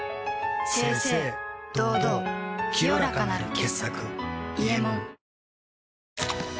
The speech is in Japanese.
清々堂々清らかなる傑作「伊右衛門」